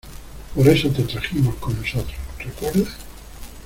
por eso te trajimos con nosotros. ¿ recuerdas?